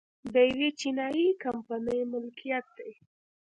د یوې چینايي کمپنۍ ملکیت دی